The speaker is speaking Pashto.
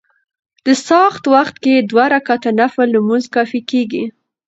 د څاښت وخت کي دوه رکعته نفل لمونځ کافي کيږي